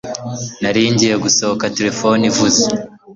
Nari ngiye gusohoka telefone ivuze